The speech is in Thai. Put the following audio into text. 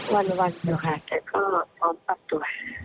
วันวันเดี๋ยวค่ะจะก็พร้อมปรับตัว